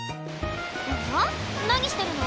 あら何してるの？